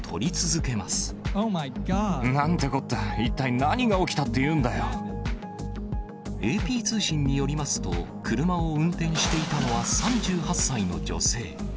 なんてこった、ＡＰ通信によりますと、車を運転していたのは３８歳の女性。